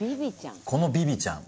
このビビちゃん